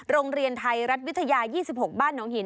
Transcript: โรงเรียนไทยรัฐวิทยา๒๖บ้านน้องหิน